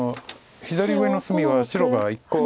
左上の隅は白が１個。